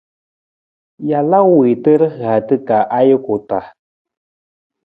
Jalaa wiitu rihaata ka ajuku taa.